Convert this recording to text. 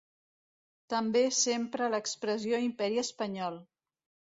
També s'empra l'expressió Imperi Espanyol.